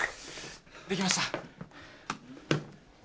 できました。